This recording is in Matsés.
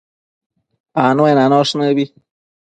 Anuenanosh nëbi